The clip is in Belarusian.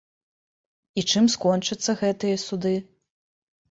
І чым скончацца гэтыя суды?